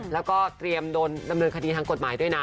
แล้วก็เตรียมโดนดำเนินคดีทางกฎหมายด้วยนะ